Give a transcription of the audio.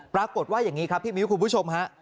ปรากฏว่าอย่างนี้ครับพี่มิ้วคุณผู้ชมฮะ